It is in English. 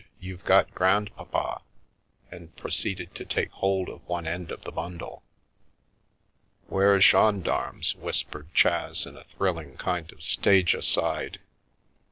You've got grandpapa !" and proceeded to take hold of one end of the bundle. " 'Ware gendarmes 1 " whispered Chas in a thrilling kind of stage aside.